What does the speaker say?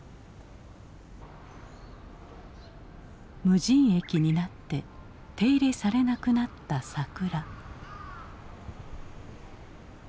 無人駅になって手入れされなくなった桜。